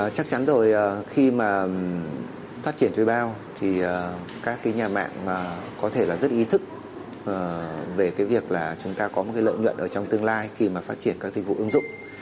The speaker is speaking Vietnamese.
chắc chắn rồi khi mà phát triển thuê bao thì các cái nhà mạng có thể là rất ý thức về cái việc là chúng ta có một cái lợi nhuận ở trong tương lai khi mà phát triển các dịch vụ ứng dụng